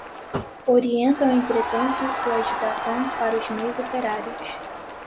orientam entretanto sua agitação para os meios operários